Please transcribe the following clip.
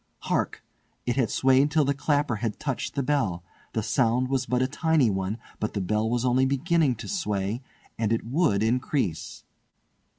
Hark! it had swayed till the clapper had touched the bell. The sound was but a tiny one, but the bell was only beginning to sway, and it would increase.